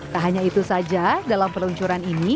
tak hanya itu saja dalam peluncuran ini